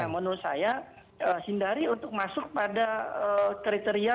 menurut saya hindari untuk masuk pada kriteria